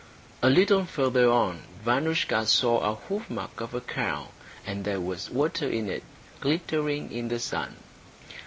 A little farther on Vanoushka saw the hoofmark of a cow, and there was water in it glittering in the sun.